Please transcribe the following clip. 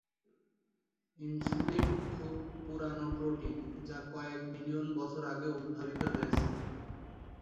Insulin খুব পুরানো protein যা কয়েক বিলিয়ন বছর আগে উদ্ভাবিত হয়েছে।